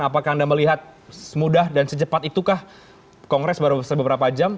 apakah anda melihat semudah dan secepat itukah kongres baru beberapa jam